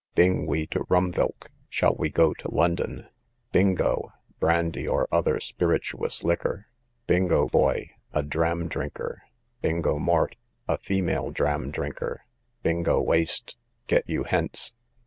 Bing we to Rumvilck; shall we go to London. Bingo, brandy, or other spirituous liquor. Bingo boy, a dram drinker. Bingo mort, a female dram drinker. Bingowaste, get you hence.